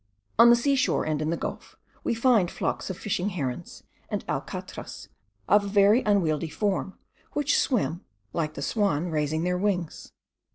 On the seashore, and in the gulf, we find flocks of fishing herons, and alcatras of a very unwieldy form, which swim, like the swan, raising their wings.